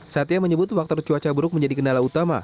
satya menyebut faktor cuaca buruk menjadi kendala utama